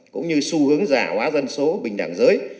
cũng như xu hướng giả hóa dân số bình đẳng giới